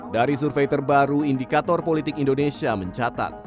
dari survei terbaru indikator politik indonesia mencatat